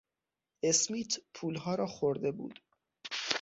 اسمیت پولها را خورده بود.